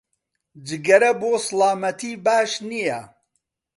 جگەرە بۆ سڵامەتی باش نییە